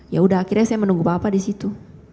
ya udah akhirnya saya menunggu bapak di situ